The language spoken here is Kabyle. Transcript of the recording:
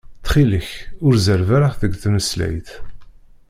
Ttxil-k, ur zerreb ara deg tmeslayt.